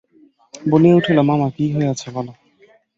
বলিয়া উঠিল, মামা, কী হইয়াছে বলো।